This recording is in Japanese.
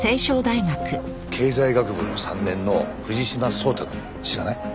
経済学部の３年の藤島颯太くん知らない？